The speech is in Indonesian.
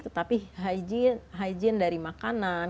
tetapi hygiene dari makanan